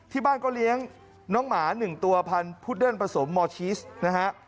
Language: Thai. ที่บ้านก็เลี้ยงน้องหมา๑ตัวพันธุดเดิ้ลผสมมอร์ชีสนะฮะ